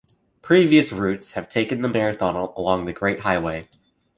Previous routes have taken the marathon along the Great Highway.